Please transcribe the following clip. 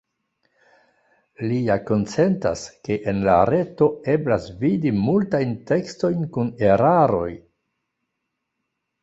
Li ja konsentas, ke en la reto eblas vidi multajn tekstojn kun eraroj.